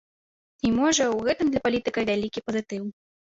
І, можа, у гэтым для палітыка вялікі пазітыў.